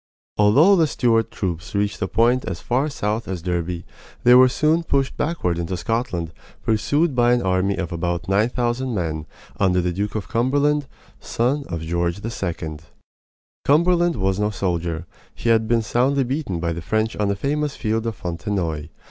Although the Stuart troops reached a point as far south as Derby, they were soon pushed backward into Scotland, pursued by an army of about nine thousand men under the Duke of Cumberland, son of George II. Cumberland was no soldier; he had been soundly beaten by the French on the famous field of Fontenoy.